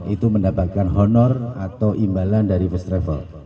itu mendapatkan honor atau imbalan dari first travel